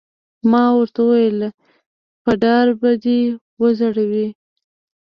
ما ورته وویل: په دار به دې وځړوي.